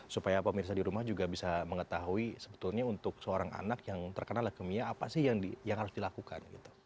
supaya pemirsa di rumah juga bisa mengetahui sebetulnya untuk seorang anak yang terkena leukemia apa sih yang harus dilakukan